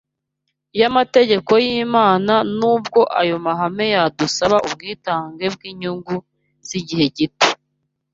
y’amategeko y’Imana, nubwo ayo mahame yadusaba ubwitange bw’inyungu z’igihe gito.